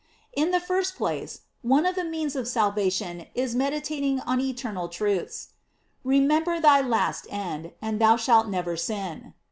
In the first place, one of the means of sal vation is meditating on eternal truths: "Re member thy last end, and thou shalt never sin."